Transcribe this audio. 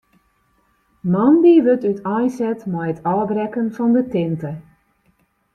Moandei wurdt úteinset mei it ôfbrekken fan de tinte.